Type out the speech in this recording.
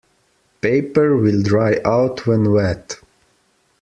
Paper will dry out when wet.